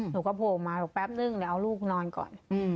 หนูก็โผล่มาบอกแป๊บนึงเดี๋ยวเอาลูกนอนก่อน